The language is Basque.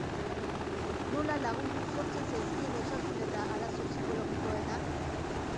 Nola lagundu sortzen zaizkien osasun eta arazo psikologikoetan?